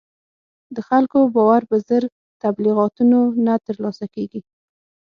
د خلکو باور په زر تبلیغاتو نه تر لاسه کېږي.